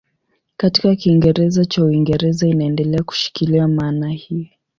Katika Kiingereza cha Uingereza inaendelea kushikilia maana hii.